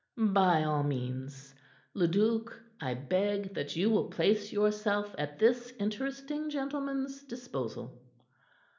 "By all means. Leduc, I beg that you will place yourself at this interesting gentleman's disposal."